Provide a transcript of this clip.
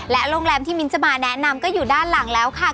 และโรงแรมที่มินท์จะมาแนะนำก็อยู่ด้านล่างนี้ครับ